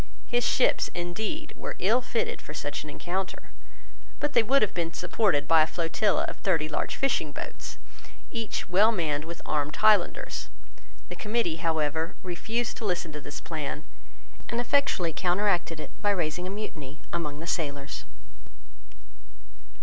His ships, indeed, were ill fitted for such an encounter. But they would have been supported by a flotilla of thirty large fishing boats, each well manned with armed Highlanders. The Committee, however, refused to listen to this plan, and effectually counteracted it by raising a mutiny among the sailors.